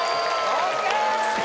ＯＫ！